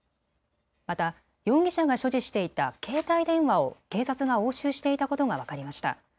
また、容疑者が所持していた携帯電話を警察が押収していたことが分かりました。